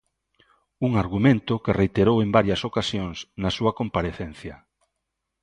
Un argumento que reiterou en varias ocasións na súa comparecencia.